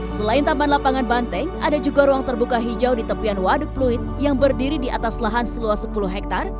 selain taman lapangan banteng ada juga ruang terbuka hijau di tepian waduk pluit yang berdiri di atas lahan seluas sepuluh hektare